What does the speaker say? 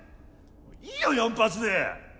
いいよ４発で。